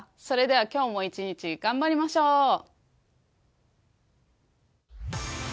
それでは今日も一日頑張りましょう。